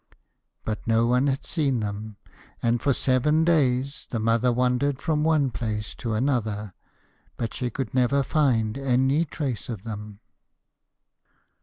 But no one had seen them; and for seven days the mother wandered from one place to another, but she could never find any trace of them.